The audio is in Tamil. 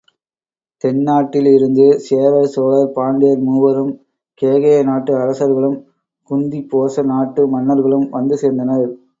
தென்னாட்டில் இருந்து சேரர், சோழர், பாண்டியர் மூவரும், கேகய நாட்டு அரசர்களும், குந்திபோச நாட்டு மன்னர்களும் வந்து சேர்ந்தனர்.